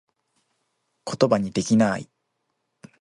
ことばにできなぁい